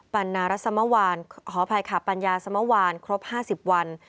ปันนารสมวานหอภัยขาปัญญาสมวานครบ๕๐วัน